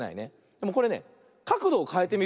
でもこれねかくどをかえてみるの。